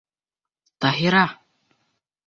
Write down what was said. Таһира!